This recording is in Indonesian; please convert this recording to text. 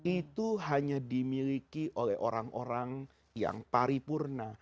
itu hanya dimiliki oleh orang orang yang paripurna